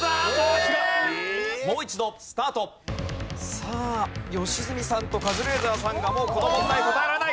さあ良純さんとカズレーザーさんがもうこの問題答えられない！